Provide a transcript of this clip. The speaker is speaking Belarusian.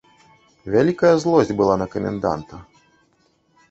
Вялікая злосць была на каменданта.